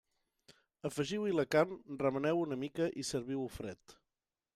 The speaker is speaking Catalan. Afegiu-hi la carn, remeneu-ho una mica i serviu-ho fred.